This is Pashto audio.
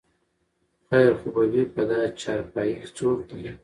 خېرت خو به وي په دا چارپايي کې څوک دي?